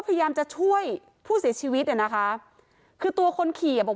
พยายามจะช่วยผู้เสียชีวิตเนี่ยนะคะคือตัวคนขี่อ่ะบอก